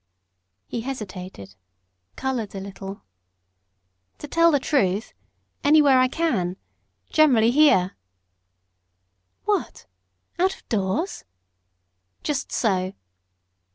He hesitated coloured a little. "To tell the truth anywhere I can. Generally, here." "What, out of doors?" "Just so."